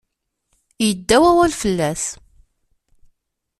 Yedda wawal fell-as.